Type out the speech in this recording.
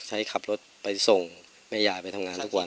ให้ขับรถไปส่งแม่ยายไปทำงานทุกวัน